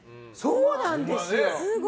そうなんですよ。